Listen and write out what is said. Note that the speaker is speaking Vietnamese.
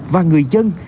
và người dân